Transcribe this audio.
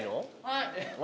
はい。